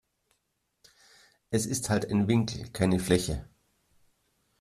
Es ist halt ein Winkel, keine Fläche.